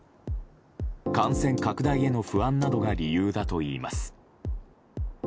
感染拡大への不安などが理由だといいます。